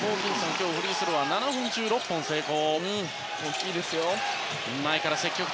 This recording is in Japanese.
今日、フリースローは７本中６本成功。